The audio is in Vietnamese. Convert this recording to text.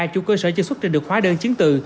chủ cơ sở chưa xuất trình được hóa đơn chứng từ